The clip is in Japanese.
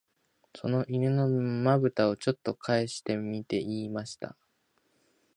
その犬の眼ぶたを、ちょっとかえしてみて言いました